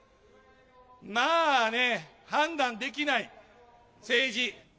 まあね、判断できない、政治。